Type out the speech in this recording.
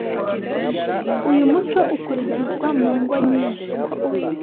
Uyu muco ukurikizwa mu ngo nyinshi.